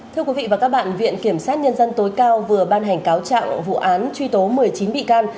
thưa quý vị và các bạn viện kiểm sát nhân dân tối cao vừa ban hành cáo trạng vụ án truy tố một mươi chín bị can